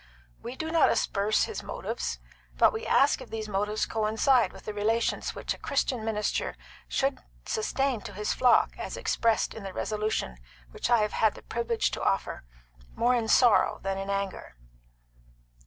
We do not asperse his motives; but we ask if these motives coincide with the relations which a Christian minister should sustain to his flock as expressed in the resolution which I have had the privilege to offer, more in sorrow than in anger."